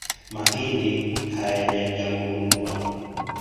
Mahindi hayajagambulwa